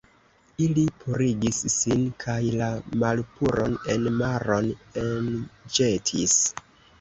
Ili purigis sin kaj la malpuron en maron enĵetis.